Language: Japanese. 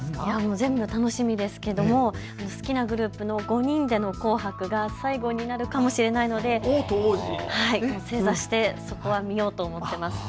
全部、楽しみですけれども好きなグループの５人での紅白が最後になるかもしれないので正座して、そこは見ようと思っています。